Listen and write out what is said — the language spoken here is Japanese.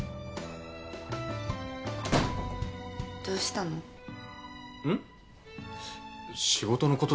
どうしたの？